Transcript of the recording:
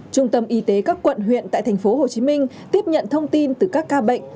trung tâm y tế các quận huyện tại tp hcm tiếp nhận thông tin từ các ca bệnh